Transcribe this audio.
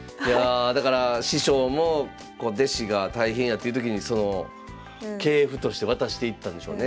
だから師匠も弟子が大変やっていう時に系譜として渡していったんでしょうね。